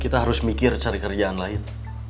kita harus mikir cari kerjaan lain